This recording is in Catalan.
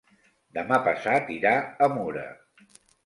Demà passat irà a Mura.